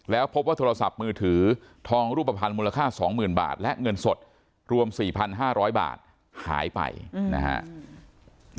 แล้วพบว่าโทรศัพท์มือถือทองรูปภัณฑ์มูลค่าสองหมื่นบาทและเงินสดรวมสี่พันห้าร้อยบาทหายไปอืมนะฮะ